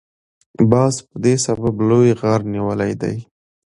باز په دې سبب لوی غر نیولی دی.